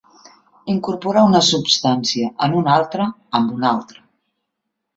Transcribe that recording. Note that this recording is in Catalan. Incorporar una substància en una altra, amb una altra.